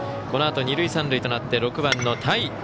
このあと二塁三塁となって６番の田井。